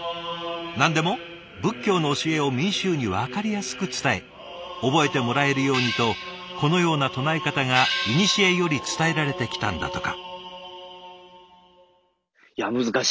何でも仏教の教えを民衆に分かりやすく伝え覚えてもらえるようにとこのような唱え方がいにしえより伝えられてきたんだとか。